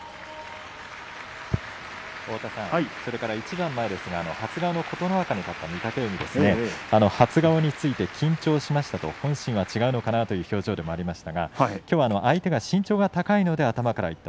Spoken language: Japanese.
１つ前ですが琴ノ若に勝った御嶽海ですが初顔について、緊張しましたと本心は違うのかなという表情でしたが相手が身長が高いので頭からいった。